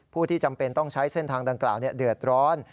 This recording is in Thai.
ผู้ที่จำเป็นต้องใช้เส้นทางดังกล่าวเดือดร้อน